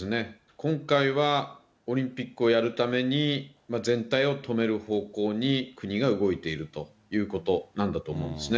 今回はオリンピックをやるために全体を止める方向に、国が動いているということなんだと思いますね。